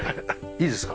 いいですか？